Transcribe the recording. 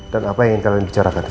dan apa yang kalian bicarakan di sini